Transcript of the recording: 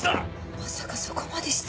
まさかそこまでして。